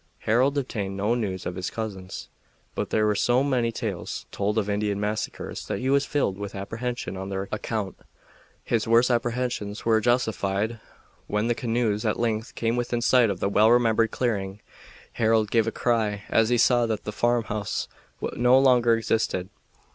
Harold obtained no news of his cousins, but there were so many tales told of Indian massacres that he was filled with apprehension on their account. His worst apprehensions were justified when the canoes at length came within sight of the well remembered clearing. Harold gave a cry as he saw that the farmhouse no longer existed.